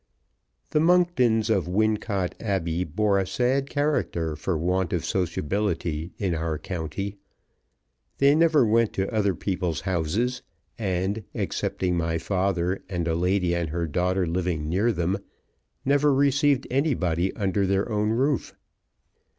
THE Monktons of Wincot Abbey bore a sad character for want of sociability in our county. They never went to other people's houses, and, excepting my father, and a lady and her daughter living near them, never received anybody under their own roof.